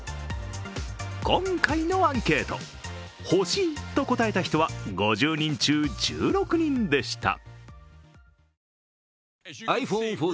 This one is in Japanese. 今回のアンケート、欲しいと答えた人は５０人中１６人でした。